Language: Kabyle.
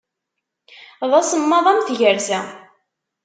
D asemmaḍ am tgersa.